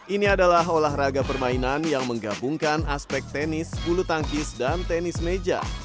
ini adalah olahraga permainan yang menggabungkan aspek tenis bulu tangkis dan tenis meja